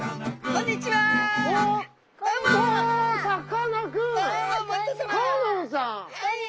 こんにちは！